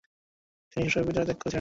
তিনি শৈশবেই বিদ্যালয় ত্যাগ করেছিলেন।